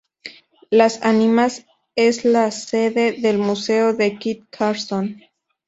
Las Ánimas es la sede del Museo de Kit Carson.